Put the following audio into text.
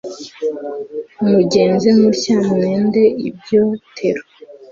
Mugenze mutya mwende ibyotero